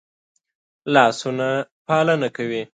لاسونه پالنه کوي